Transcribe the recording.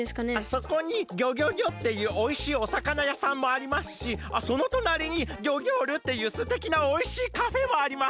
そこに「ギョギョギョ」っていうおいしいおさかなやさんもありますしそのとなりに「ギョギョール」っていうすてきなおいしいカフェもあります。